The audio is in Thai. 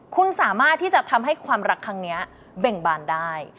คุณสามารถที่จะทำให้ความรักครั้งนี้เบ่งบานได้